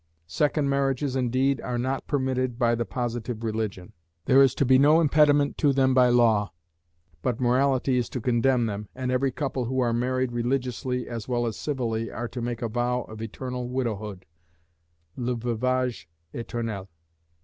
Second marriages, indeed, are not permitted by the Positive Religion. There is to be no impediment to them by law, but morality is to condemn them, and every couple who are married religiously as well as civilly are to make a vow of eternal widowhood, "le veuvage éternel."